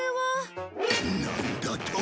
なんだと！？